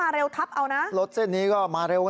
ใช่แล้วหนูแจ้งไปที่น้องที่ชื่อหนุ่มยุเทศบาล